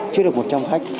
chưa được một trăm linh khách